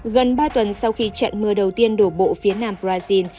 gần ba tuần sau khi trận mưa đầu tiên đổ bộ phía nam brazil